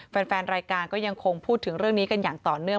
แฟนรายการก็ยังคงพูดถึงเรื่องนี้กันอย่างต่อเนื่อง